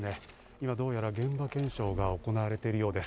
今どうやら現場検証が行われています。